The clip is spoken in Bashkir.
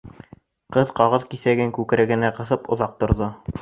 Ҡыҙ ҡағыҙ киҫәген күкрәгенә ҡыҫып оҙаҡ торҙо.